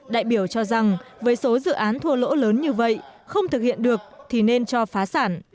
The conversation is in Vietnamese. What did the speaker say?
đại biểu cho rằng với số dự án thua lỗ lớn như vậy không thực hiện được thì nên cho phá sản